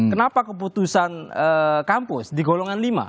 kenapa keputusan kampus di golongan lima